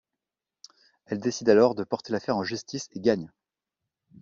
Elle décide alors de porter l'affaire en justice et gagne.